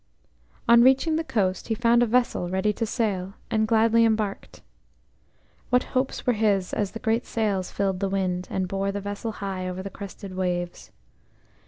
On reaching the coast he found a vessel ready to set sail, and gladly embarked. What hopes were his as the great sails filled with wind, and bore the vessel high over the crested waves!